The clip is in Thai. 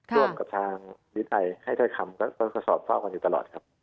ร่วมกับทางฤทัยให้ถ้อยคำก็สอบเฝ้ากันอยู่ตลอดครับ